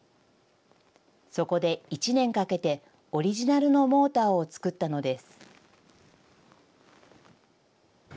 そこで１年かけてオリジナルのモーターを作ったのです。